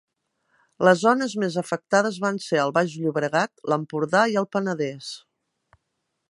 Les zones més afectades van ser el Baix Llobregat, l’Empordà i el Penedès.